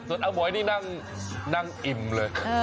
ส่วนอาหมวยนี่นั่งอิ่มเลย